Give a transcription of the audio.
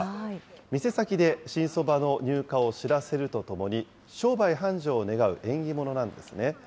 店先で新そばの入荷を知らせるとともに、商売繁盛を願う縁起物なんですね。